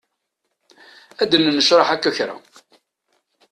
Ad nennecraḥ akka kra.